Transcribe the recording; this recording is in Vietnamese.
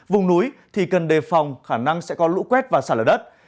vùng núi thì cần đề phòng khả năng sẽ có lũ quét và xả lở đất